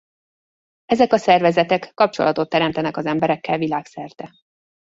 Ezek a szervezetek kapcsolatot teremtenek az emberekkel világszerte.